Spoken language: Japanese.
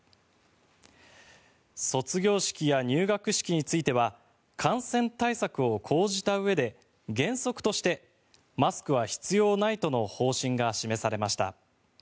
卒業式や入学式については感染対策を講じたうえで原則としてマスクは必要ないとの方針が示されました。